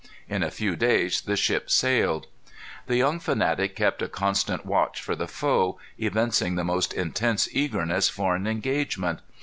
In a few days the ship sailed. The young fanatic kept a constant watch for the foe, evincing the most intense eagerness for an engagement.